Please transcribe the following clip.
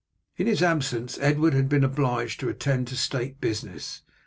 In his absence Edward had been obliged to attend to state business.